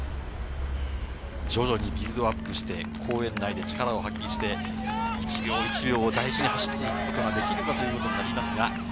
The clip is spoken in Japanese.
徐々にビルドアップして、公園内で力を発揮して１秒１秒を大事に走っていくことができるかということになりますが。